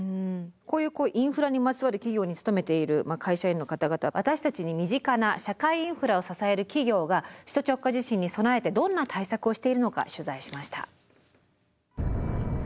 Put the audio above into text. こういうインフラにまつわる企業に勤めている会社員の方々私たちに身近な社会インフラを支える企業が首都直下地震に備えてどんな対策をしているのか取材しました。